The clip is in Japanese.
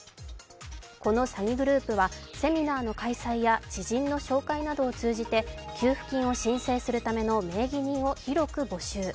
この詐欺グループは、セミナーの開催や知人の紹介などを通じて給付金を申請するための名義人を広く募集。